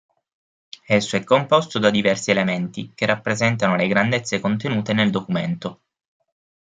Esso è composto da diversi elementi, che rappresentano le grandezze contenute nel documento.